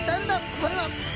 これは。